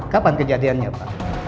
kapan kejadiannya pak